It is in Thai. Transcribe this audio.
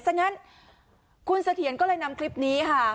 ซะงั้นคุณเสถียรก็เลยนำคลิปนี้ค่ะ